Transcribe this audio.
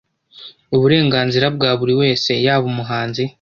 Uburenganzira bwa buri wese yaba umuhanzi,